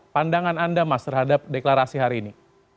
pandangan anda mas terhadap deklarasi hari ini